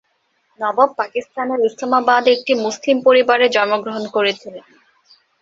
নবাব পাকিস্তানের ইসলামাবাদে একটি মুসলিম পরিবারে জন্মগ্রহণ করেছিলেন।